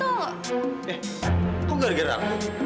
eh kok gara gara aku